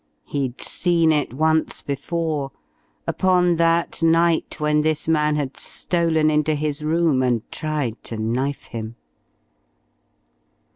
He'd seen it once before, upon that night when this man had stolen into his room and tried to knife him.